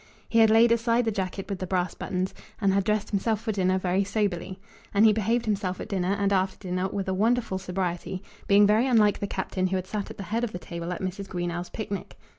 He had laid aside the jacket with the brass buttons, and had dressed himself for dinner very soberly. And he behaved himself at dinner and after dinner with a wonderful sobriety, being very unlike the Captain who had sat at the head of the table at Mrs. Greenow's picnic.